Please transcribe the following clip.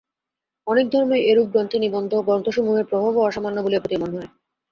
অনেক ধর্মই এইরূপ গ্রন্থে নিবন্ধ, গ্রন্থসমূহের প্রভাবও অসামান্য বলিয়া প্রতীয়মান হয়।